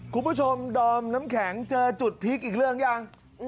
คุณผู้ชมดอมน้ำแข็งเจอจุดพลิกอีกเรื่องยัง